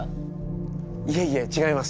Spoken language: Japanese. いえいえ違います